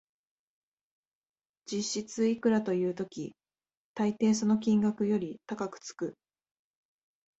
実質いくらという時、たいていその金額より高くつく